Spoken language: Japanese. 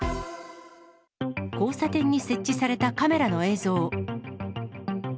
交差点に設置されたカメラの映像。